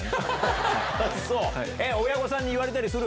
親御さんに言われたりする？